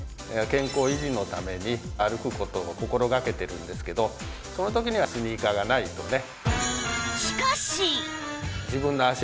健康維持のために歩く事を心掛けてるんですけどその時にはスニーカーがないとね。